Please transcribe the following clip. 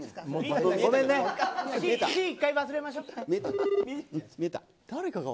Ｃは１回、忘れましょう。